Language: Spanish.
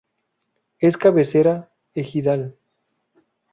Es cabecera ejidal.